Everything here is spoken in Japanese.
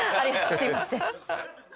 すみません。